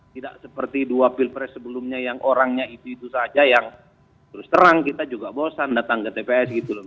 tidak seperti dua pilpres sebelumnya yang orangnya itu itu saja yang terus terang kita juga bosan datang ke tps gitu loh